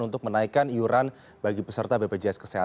tim liputan cnn indonesia